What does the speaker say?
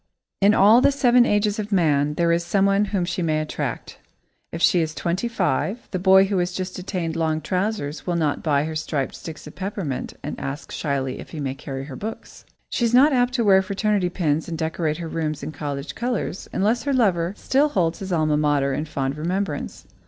In all the seven ages of man, there is someone whom she may attract. If she is twenty five, the boy who has just attained long trousers will not buy her striped sticks of peppermint and ask shyly if he may carry her books. She is not apt to wear fraternity pins and decorate her rooms in college colours, unless her lover still holds his alma mater in fond remembrance.